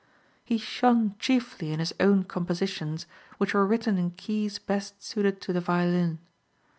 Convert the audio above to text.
He shone chiefly in his own compositions, which were written in keys best suited to the violin.